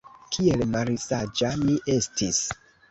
Kiel malsaĝa mi estis!